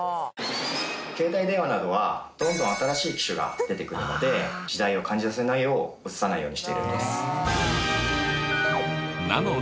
携帯電話などはどんどん新しい機種が出てくるので時代を感じさせないよう映さないようにしております。